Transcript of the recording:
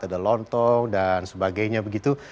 ada lontong dan sebagainya begitu